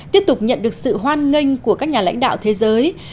tiếp tục nhận được sự hoan nghênh của các nhà lãnh đạo thế giới